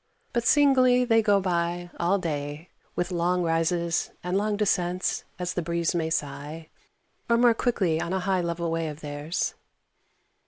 But singly they go by all day, with long rises and long descents as the breeze may sigh, or more quickly on a high level way of theirs.